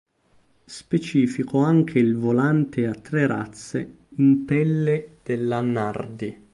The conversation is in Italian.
Specifico anche il volante a tre razze in pelle della Nardi.